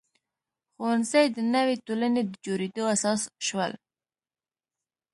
ښوونځي د نوې ټولنې د جوړېدو اساس شول.